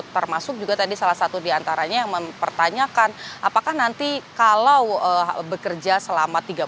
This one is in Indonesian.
termasuk juga tadi salah satu diantaranya yang mempertanyakan apakah nanti kalau bekerja selama tiga bulan